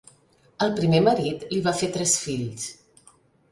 El primer marit li va fer tres fills.